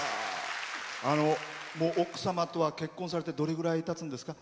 奥様とは結婚されてどれぐらいたつんですか？